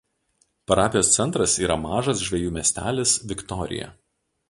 Parapijos centras yra mažas žvejų miestelis Viktorija.